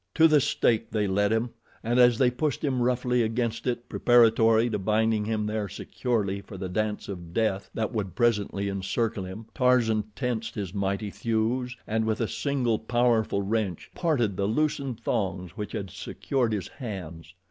To the stake they led him, and as they pushed him roughly against it preparatory to binding him there securely for the dance of death that would presently encircle him, Tarzan tensed his mighty thews and with a single, powerful wrench parted the loosened thongs which had secured his hands.